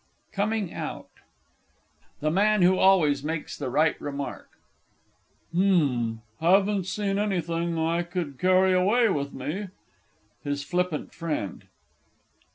COMING OUT. THE MAN WHO ALWAYS MAKES THE RIGHT REMARK. H'm. Haven't seen anything I could carry away with me. HIS FLIPPANT FRIEND.